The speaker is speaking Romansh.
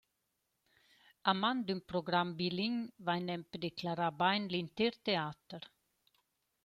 A man d’ün program biling vain nempe declerà bain l’inter teater.